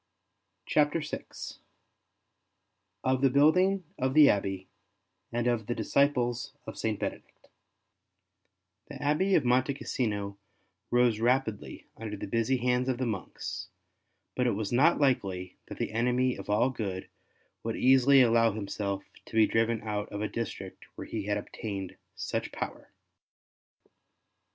CHAPTER VI OF THE BUILDING OF THE ABBEY, AND OF THE DISCIPLES OF SAINT BENEDICT The Abbey of Monte Cassino rose rapidly under the busy hands of the monks, but it was not likely that the enemy of all good would easily allow himself to be driven out of a district where he had obtained such power.